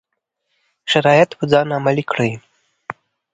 شرایط په ځان عملي کړي.